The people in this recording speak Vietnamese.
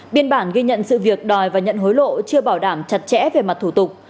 biên bản ghi nhận sự việc đòi và nhận hối lộ chưa bảo đảm chặt chẽ về mặt thủ tục